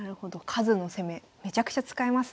数の攻めめちゃくちゃ使えますね。